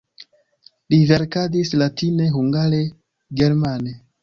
Li verkadis latine, hungare, germane.